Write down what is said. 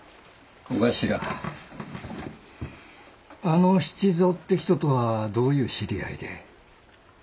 あの七三って人とはどういう知り合いで？